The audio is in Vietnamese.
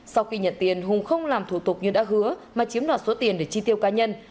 sau khi nhận tiền hùng không làm thủ tục như đã hứa mà chiếm đoạt số tiền để chi tiêu cá nhân